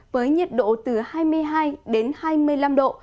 với nhiệt độ từ hai mươi hai đến hai mươi năm độ